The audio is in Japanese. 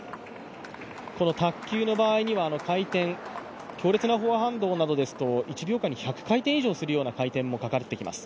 卓球の場合には回転、強烈なフォアハンドなどですと１秒間に１００回転するような回転もかかってきます。